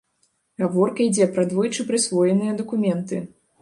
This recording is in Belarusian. Гаворка ідзе пра двойчы прысвоеныя дакументы.